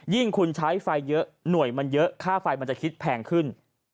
คุณใช้ไฟเยอะหน่วยมันเยอะค่าไฟมันจะคิดแพงขึ้น